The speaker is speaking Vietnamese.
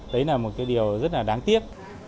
đấy là một điều rất là đáng tiếc